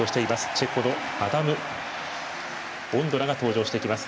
チェコのアダム・オンドラが登場してきます。